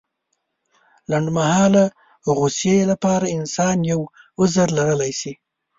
لنډمهالې غوسې لپاره انسان يو عذر لرلی شي.